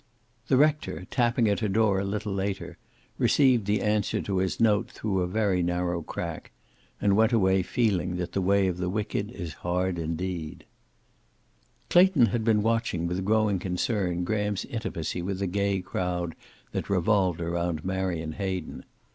The rector, tapping at her door a little later, received the answer to his note through a very narrow crack, and went away feeling that the way of the wicked is indeed hard. Clayton had been watching with growing concern Graham's intimacy with the gay crowd that revolved around Marion Hayden.